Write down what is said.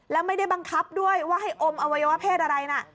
แล้วไม่ได้บังคับด้วยว่าให้อมอวัยวะเพศอะไรนะ